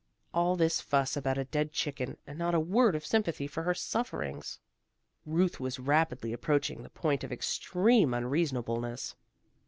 All this fuss about a dead chicken, and not a word of sympathy for her sufferings. Ruth was rapidly approaching the point of extreme unreasonableness.